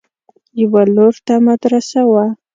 يوه لور ته مدرسه وه.